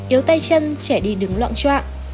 yếu tay chân trẻ đi đứng loạn trọng